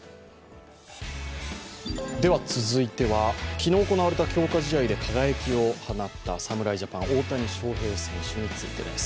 続いては、昨日行われた強化試合で輝きを放った侍ジャパン大谷翔平選手についてです。